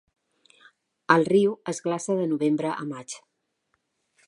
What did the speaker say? El riu es glaça de novembre a maig.